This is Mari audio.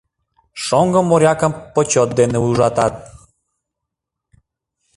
Шоҥго морякым почёт дене ужатат.